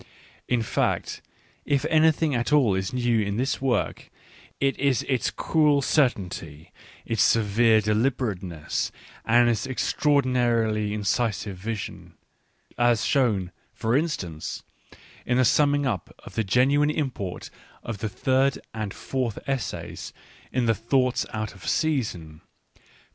In fact, if anything at all is new in this work, it is its cool cer tainty, its severe deliberateness, and its extraordin arily incisive vision, as shown, for instance, in the sum ming up of the genuine import of the third and fourth essays in the Thoughts out of Season (pp.